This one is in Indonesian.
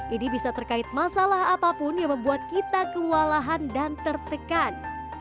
ini bisa terkait masalah apapun yang membuat kita kewalahan dan tertekan